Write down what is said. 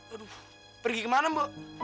aduh pergi kemana mbok